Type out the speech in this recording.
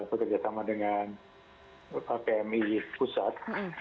bekerja sama dengan pmi pusat